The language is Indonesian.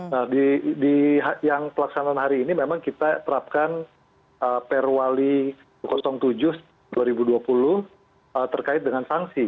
nah yang pelaksanaan hari ini memang kita terapkan perwali tujuh dua ribu dua puluh terkait dengan sanksi